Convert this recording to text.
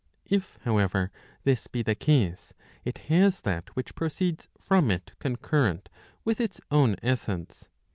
If, however, this be the case, it has that which proceeds from it concurrent with its own essence.